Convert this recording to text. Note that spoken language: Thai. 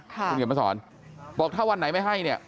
บอกว่าถ้าวันไหนไม่ให้เนี่ย